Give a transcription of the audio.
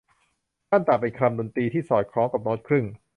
ขั้นต่ำเป็นคำดนตรีที่สอดคล้องกับโน๊ตครึ่ง